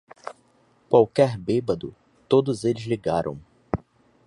Qualquer bêbado! Todos eles ligaram.